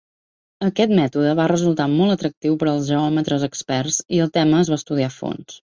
Aquest mètode va resultar molt atractiu per als geòmetres experts, i el tema es va estudiar a fons.